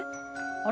あれ？